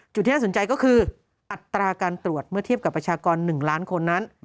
ที่น่าสนใจก็คืออัตราการตรวจเมื่อเทียบกับประชากร๑ล้านคนนั้น